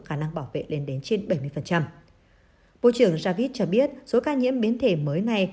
khả năng bảo vệ lên đến trên bảy mươi bộ trưởng javid cho biết số ca nhiễm biến thể mới này